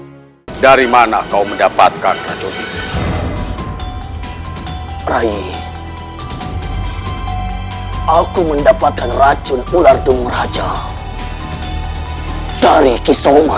hai dari mana kau mendapatkan racun rai aku mendapatkan racun ular demuraja dari kisah